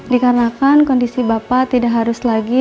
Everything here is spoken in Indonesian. dikarenakan kondisi bapak tidak harus lagi